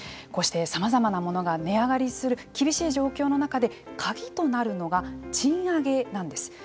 こうしてさまざまなものが値上がりする厳しい状況の中で鍵となるのが賃上げなんです。